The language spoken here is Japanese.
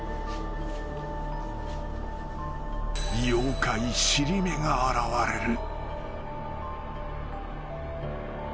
［妖怪尻目が現れる］